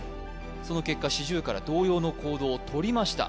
その結果シジュウカラ同様の行動をとりました